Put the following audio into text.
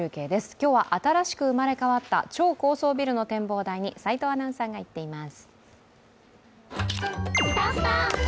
今日は新しく生まれ変わった超高層ビルの展望台に齋藤アナウンサーが行っています。